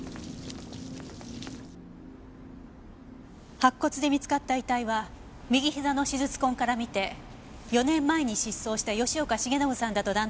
白骨で見つかった遺体は右膝の手術痕からみて４年前に失踪した吉岡繁信さんだと断定出来ました。